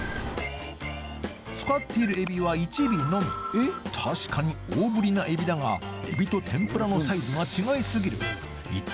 使っているエビは一尾のみ確かに大ぶりなエビだがエビと天ぷらのサイズが違いすぎる一体